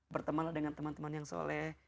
bertemanlah dengan teman teman yang soleh